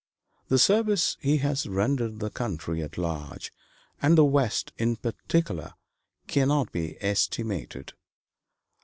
The service he has rendered the country at large, and the West in particular, cannot be estimated.